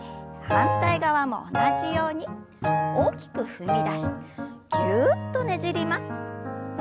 反対側も同じように大きく踏み出してぎゅっとねじります。